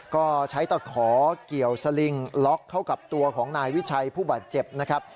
ก็ใช้ตะขอเกี่ยวสลิงล็อกเข้ากับตัวของนายวิชัยผู้บาดเจ็บนะครับ